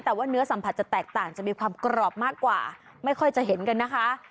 แต่ว่าเนื้อสัมผัสจะแตกต่างจะมีความกรอบมากกว่าไม่ค่อยจะเห็นกันนะคะ